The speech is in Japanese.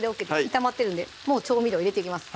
炒まってるんでもう調味料入れていきます